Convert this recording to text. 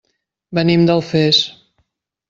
Venim d'Alfés.